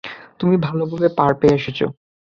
তুমি ভালোভাবে পার পেয়ে এসেছো।